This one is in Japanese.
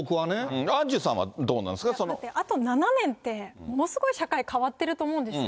アンジュさんは、どうなんであと７年って、ものすごい社会変わってると思うんですよ。